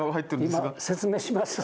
今説明します。